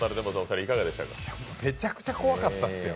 めちゃくちゃ怖かったっすよ。